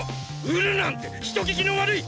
売るなんて人聞きの悪い！